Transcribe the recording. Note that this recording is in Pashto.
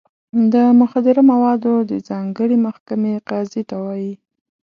د مخدره موادو د ځانګړې محکمې قاضي ته وایي.